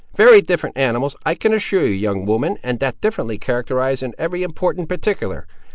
Very different animals, I can assure you, young woman, and differently characterized in every important particular.